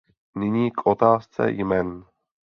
Nyní k otázce jmen.